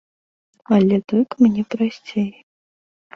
Але так мне прасцей.